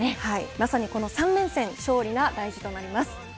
まさに、この三連戦勝利が大事となります。